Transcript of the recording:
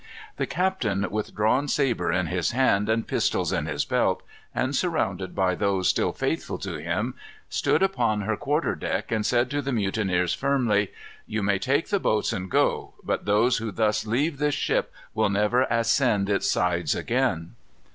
The captain, with drawn sabre in his hand, and pistols in his belt, and surrounded by those still faithful to him, stood upon her quarter deck and said to the mutineers, firmly: "You may take the boats and go. But those who thus leave this ship will never ascend its sides again."